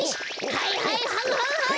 はいはいはんはんはん